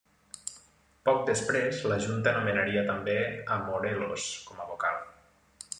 Poc després, la Junta nomenaria també a Morelos com a vocal.